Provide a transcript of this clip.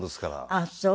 ああそう。